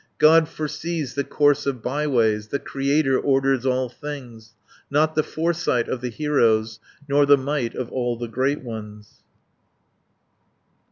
God foresees the course of by ways, The Creator orders all things; Not the foresight of the heroes, Nor the might of all the great ones."